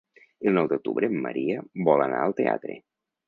El nou d'octubre en Maria vol anar al teatre.